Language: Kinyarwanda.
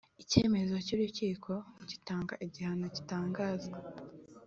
Icyemezo cy urukiko gitanga igihano gitangazwa